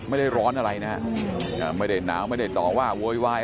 ไม่ได้ร้อนอะไรนะฮะไม่ได้หนาวไม่ได้ต่อว่าโวยวาย